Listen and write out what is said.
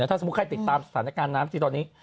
ถ้าสมมุติใครติดตามสถานการณ์น้ำที่ตอนนี้